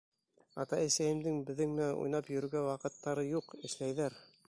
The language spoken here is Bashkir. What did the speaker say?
Атай-әсәйемдең беҙҙең менән уйнап йөрөргә ваҡыттары юҡ, эшләйҙәр!